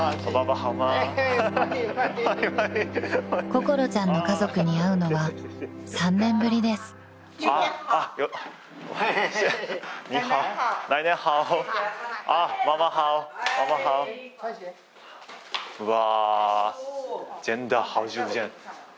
［心ちゃんの家族に会うのは３年ぶりです］うわ。